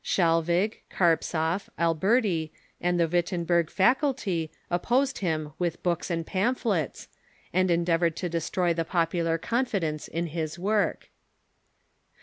Schelvig, Carpzov, Alberti, and the Wittenberg faculty opposed him with books and pamphlets, and endeavored to destroy the popular confidence in his work.